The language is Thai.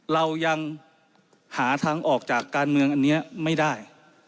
เรายังหาทางออกจากการเมืองอันนี้ไม่ได้